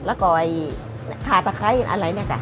แล้วก็ค่าตะไคร้อะไรนะค่ะ